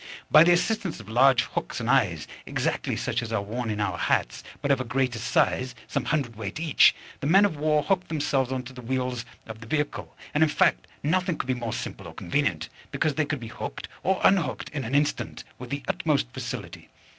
By the assistance of large hooks and eyes, exactly such as are worn in our hats, but of a greater size, some hundredweight each, the men of war hooked themselves on to the wheels of the vehicle: and, in fact, nothing could be more simple or convenient, because they could be hooked or unhooked in an instant with the utmost facility.